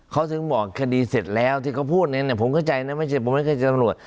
เขาถึงบอกคดีเสร็จแล้วที่เขาพูดเนี่ยผมเข้าใจนะไม่ใช่ผมไม่เคยเจอตำรวจ